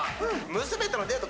娘とのデート